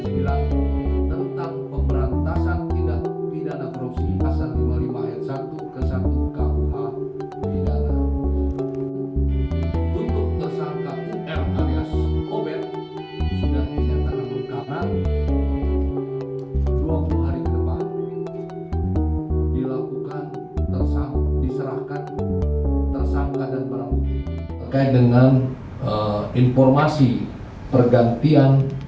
dilakukan tersangkut diserahkan tersangkat dan para bukit terkait dengan informasi pergantian